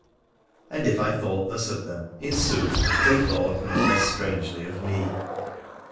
And if I thought thus of them, in sooth, they thought no less strangely of me !